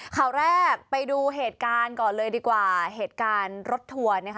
ข่าวแรกไปดูเหตุการณ์ก่อนเลยดีกว่าเหตุการณ์รถทัวร์นะคะ